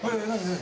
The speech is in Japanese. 何？